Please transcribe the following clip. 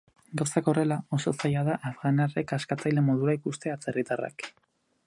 Gauzak horrela, oso zaila da afganiarrek askatzaile modura ikustea atzerritarrak.